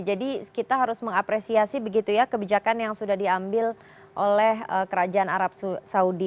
jadi kita harus mengapresiasi begitu ya kebijakan yang sudah diambil oleh kerajaan arab saudi